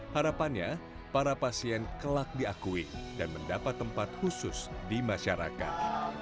harapannya para pasien kelak diakui dan mendapat tempat khusus di masyarakat